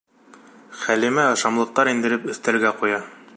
Хәлимә ашамлыҡтар индереп өҫтәлгә ҡуя.